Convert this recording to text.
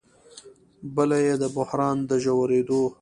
بله یې د بحران د ژورېدو